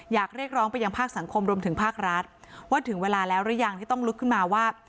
อยากเรียกร้องไปยังภาคสังคมรวมถึงภาครัฐว่าถึงเวลาแล้วหรือยังที่ต้องลุกขึ้นมาว่า